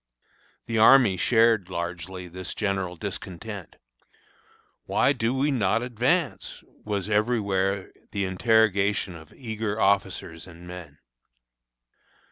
The army shared largely this general discontent. "Why do we not advance?" was every where the interrogation of eager officers and men.